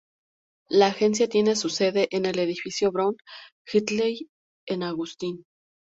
La agencia tiene su sede en el Edificio Brown-Heatley en Austin.